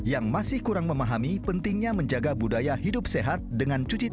yang masih kurang memahami pentingnya menjaga budaya hidup seorang masyarakat